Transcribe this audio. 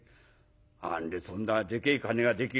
何でそんなでけえ金ができる？」。